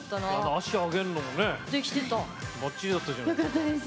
足上げるのもばっちりだったじゃん。